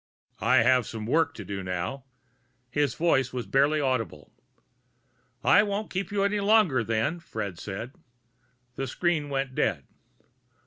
"I have some work to do now." His voice was barely audible. "I won't keep you any longer, then," Fred said. The screen went dead.